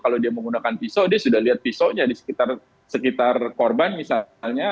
kalau dia menggunakan pisau dia sudah lihat pisaunya di sekitar korban misalnya